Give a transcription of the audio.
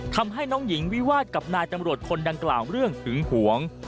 ทำให้น้องหญิงวิวาสกับนายตำรวจคนดังกล่าวเรื่องหึงหวง